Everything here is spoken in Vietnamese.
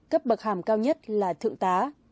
cấp bậc hàm cao nhất là thượng tá